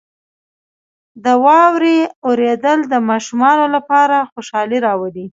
• د واورې اورېدل د ماشومانو لپاره خوشحالي راولي.